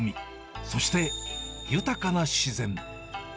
そして、豊かな自然。